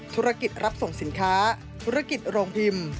ธุรกิจรับส่งสินค้าธุรกิจโรงพิมพ์